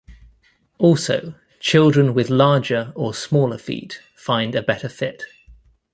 Also, children with larger or smaller feet find a better fit.